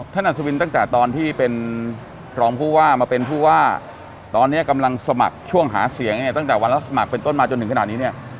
อัศวินตั้งแต่ตอนที่เป็นรองผู้ว่ามาเป็นผู้ว่าตอนนี้กำลังสมัครช่วงหาเสียงเนี่ยตั้งแต่วันรับสมัครเป็นต้นมาจนถึงขนาดนี้เนี่ย